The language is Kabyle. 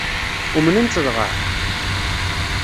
Umnen-tt dɣa?